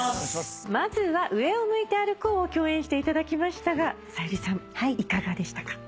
まずは『上を向いて歩こう』を共演していただきましたがさゆりさんいかがでしたか？